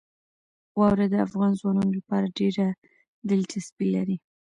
واوره د افغان ځوانانو لپاره ډېره دلچسپي لري.